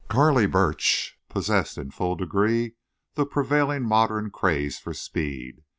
Carley Burch possessed in full degree the prevailing modern craze for speed.